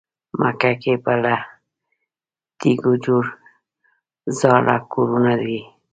مکه کې به له تیږو جوړ زاړه کورونه وي.